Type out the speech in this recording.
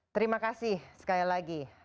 terima kasih sekali lagi